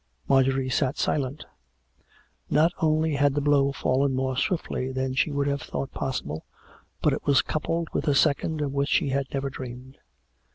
Mar j orie sat silent. Not only had the blow fallen more swiftly than she would have thought possible, but it was coupled with a second of which she had never dreamed.